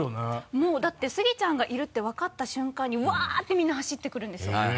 もうだってスギちゃんがいるって分かった瞬間にうわってみんな走ってくるんですよ。